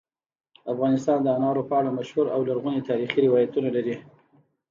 افغانستان د انارو په اړه مشهور او لرغوني تاریخی روایتونه لري.